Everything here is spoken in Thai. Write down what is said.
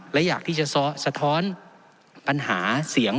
และอยากที่จะสะท้อนปัญหาเสียง